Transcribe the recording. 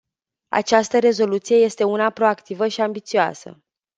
Această rezoluție este una proactivă și ambițioasă.